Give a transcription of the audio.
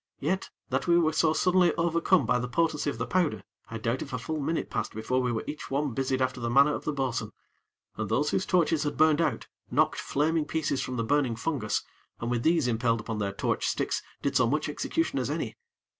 Yet, that we were so suddenly overcome by the potency of the powder, I doubt if a full minute passed before we were each one busied after the manner of the bo'sun; and those whose torches had burned out, knocked flaming pieces from the burning fungus, and with these impaled upon their torch sticks, did so much execution as any.